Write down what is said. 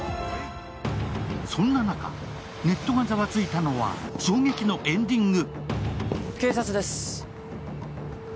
そんな中、ネットがザワついたのは衝撃のエンディング。